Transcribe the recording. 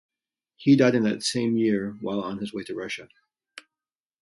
He died in that same year while on his way to Russia.